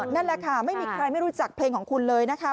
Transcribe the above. นั่นแหละค่ะไม่มีใครไม่รู้จักเพลงของคุณเลยนะคะ